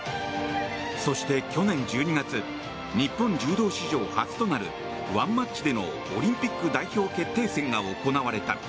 そして、去年１２月日本柔道史上初となるワンマッチでのオリンピック代表決定戦が行われた。